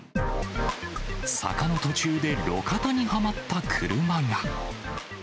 坂の途中で路肩にはまった車が。